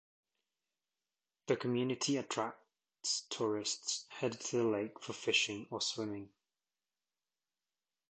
The community attracts tourists headed to the lake for fishing or swimming.